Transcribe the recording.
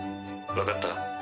分かった？